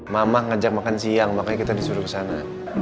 mama ngajak makan siang makanya kita disuruh kesana